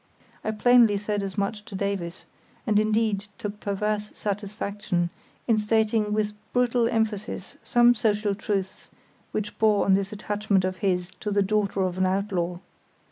I plainly said as much to Davies, and indeed took perverse satisfaction in stating with brutal emphasis some social truths which bore on this attachment of his to the daughter of an outlaw.